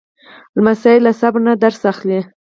لمسی له صبر نه درس اخلي.